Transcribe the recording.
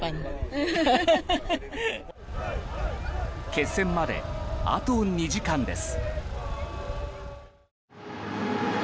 決戦まであと２時間です。